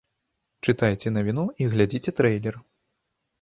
Чытайце навіну і глядзіце трэйлер!